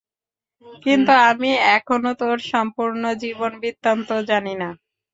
কিন্তু আমি এখনও তোর সম্পূর্ণ জীবন-বৃত্তান্ত জানি না।